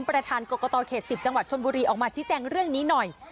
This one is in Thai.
ประธานกรกตเขต๑๐จังหวัดชนบุรีออกมาชี้แจงเรื่องนี้หน่อย